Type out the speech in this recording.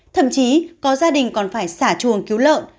thậm chí có gia đình còn phải xả chuồng cứu lợn